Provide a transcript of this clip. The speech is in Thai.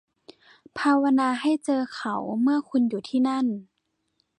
ภาวนาให้เจอเขาเมื่อคุณอยู่ที่นั่น